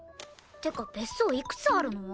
ってか別荘いくつあるの？